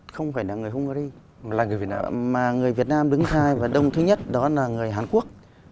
không phải là người hungary mà người việt nam đứng hai và đông thứ nhất đó là người hàn quốc